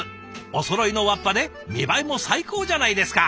おそろいのわっぱで見栄えも最高じゃないですか！